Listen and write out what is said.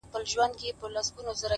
o ځانته پخپله اوس زنځیر او زولنې لټوم,